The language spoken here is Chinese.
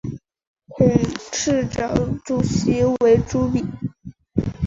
董事会主席为朱敏。